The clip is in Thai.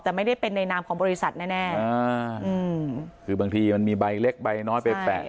แต่ไม่ได้เป็นในนามของบริษัทแน่แน่อ่าอืมคือบางทีมันมีใบเล็กใบน้อยไปแปะ